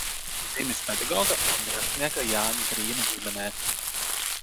Dzimis pedagoga un rakstnieka Jāņa Grīna ģimenē.